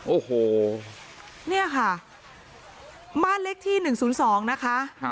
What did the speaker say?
โอ้โหเนี้ยค่ะบ้านเล็กที่หนึ่งศูนย์สองนะคะครับ